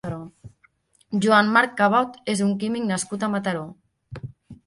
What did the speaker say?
Joan Marc Cabot és un químic nascut a Mataró.